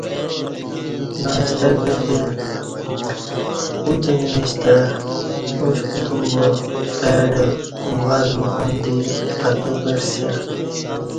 ناشتہ کتے اوتنہ میش تہ اوش کوتوم با اہ ڈہ ور دکان دی اتو کعسیہ